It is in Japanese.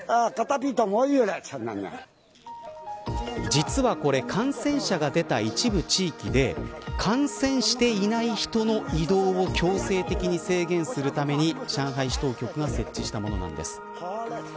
実はこれ感染者が出た一部地域で感染していない人の移動を強制的に制限するために上海市当局が設置したものなんです。